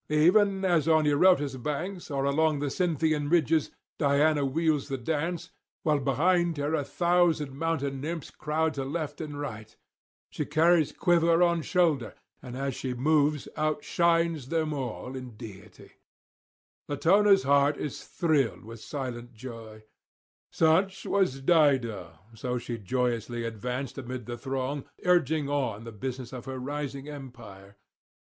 Even as on Eurotas' banks or along the Cynthian ridges Diana wheels the dance, while behind her a thousand mountain nymphs crowd to left and right; she carries quiver on shoulder, and as she moves outshines them all in deity; Latona's heart is thrilled with silent joy; such was Dido, so she joyously advanced amid the throng, urging on the business of her rising empire.